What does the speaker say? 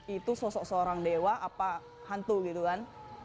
itu sosok seorang dewa apa hantu gitu kan